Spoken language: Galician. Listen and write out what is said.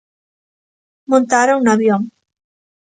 Montaron no avión.